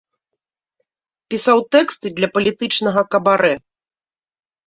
Пісаў тэксты для палітычнага кабарэ.